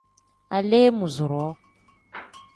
Aleemuuzuroo.